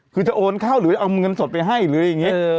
คือจะโอนเข้าหรือเอาเงินสดไปให้หรืออย่างนี้